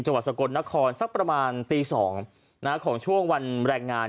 จังหวัดสกลนครสักประมาณตี๒ของช่วงวันแรงงาน